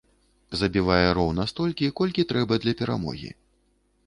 Забівае роўна столькі, колькі трэба для перамогі.